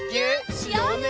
しようね！